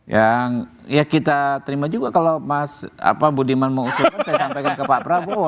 yang ya kita terima juga kalau mas budiman mengusulkan saya sampaikan ke pak prabowo